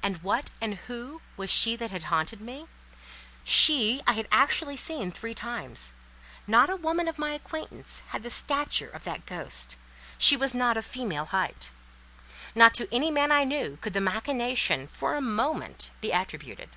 And what and who was she that had haunted me? She, I had actually seen three times. Not a woman of my acquaintance had the stature of that ghost. She was not of a female height. Not to any man I knew could the machination, for a moment, be attributed.